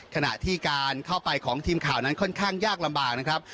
ขณะที่การเข้าไปของทีมข่าวนั้นค่อนข้างยากลำบากนะครับ